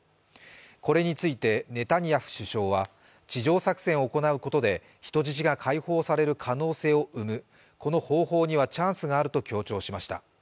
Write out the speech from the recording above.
これについてネタニヤフ首相は、地上作戦を行うことで人質が解放される可能性を生む、この方法にはチャンスがあると強調しました。